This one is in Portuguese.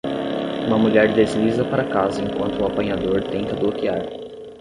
Uma mulher desliza para casa enquanto o apanhador tenta bloquear.